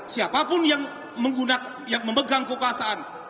siapapun yang memegang kekuasaan